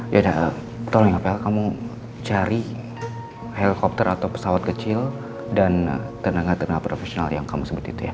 ya tolong apa ya kamu cari helikopter atau pesawat kecil dan tenaga tenaga profesional yang kamu sebut itu ya